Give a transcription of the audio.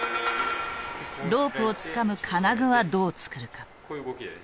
ロープをつかむ金具はどう作るか。